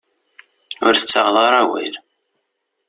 Ur tettaɣeḍ ara awal.